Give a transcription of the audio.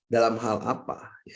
dalam hal apa